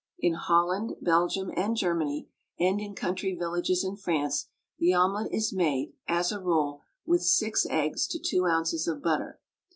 In Holland, Belgium, and Germany, and in country villages in France, the omelet is made, as a rule, with six eggs to two ounces of butter.